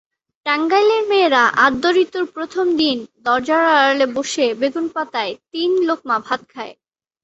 টাঙ্গাইলের মেয়েরা আদ্যঋতুর প্রথম দিন দরজার আড়ালে বসে বেগুনপাতায় তিন লোকমা ভাত খায়।